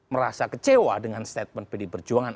merasa kecewa dengan statement pilih berjuangan